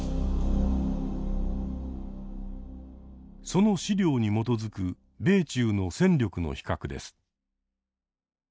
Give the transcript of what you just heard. その資料に基づく米中の戦力の比較です。